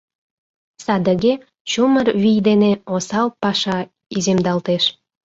Садыге, чумыр вий дене, осал паша иземдалтеш.